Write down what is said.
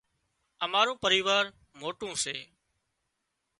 امارون پريوار موٽون سي